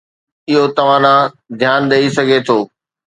اهو توهان ڏانهن ڌيان ڏئي سگهي ٿو.